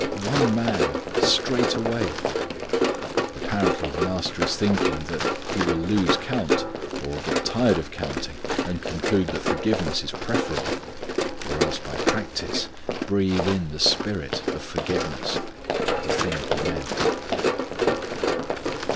one man straightway!!" Apparently the Master is thinking, that he will lose count, or get tired of counting and conclude that forgiveness is preferable, or else by practice breathe in the spirit of forgiveness the thing He meant.